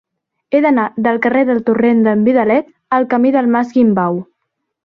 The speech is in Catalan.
He d'anar del carrer del Torrent d'en Vidalet al camí del Mas Guimbau.